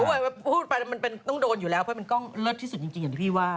หัวเวยวายพูดไปมันเป็นต้องโดนอยู่แล้วเพราะมันเป็นกล้องเลิศที่สุดจริงอย่างที่พี่ว่า